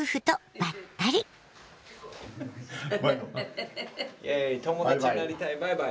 バイバイ。